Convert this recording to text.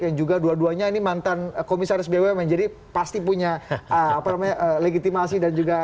yang juga dua duanya ini mantan komisaris bumn jadi pasti punya apa namanya legitimasi dan juga